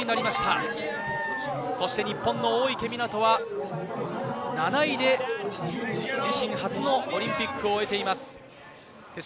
日本の大池水杜は７位で自身初のオリンピックを終えています。